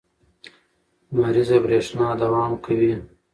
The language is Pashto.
لمریزه برېښنا دوام کوي.